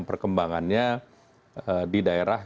perkembangannya di daerah